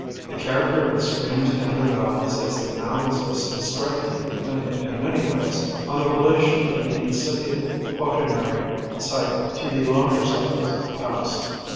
The character of the streams and their valleys as they now exist is strikingly dependent in many ways on the relation of the incipient quaternary cycle to the longer cycles of the past.